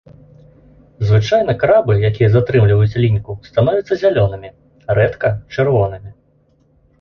Звычайна крабы, якія затрымліваюць ліньку, становяцца зялёнымі, рэдка-чырвонымі.